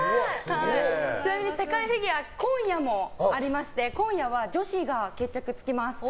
ちなみに世界フィギュアは今夜もありまして今夜は女子が決着つきます。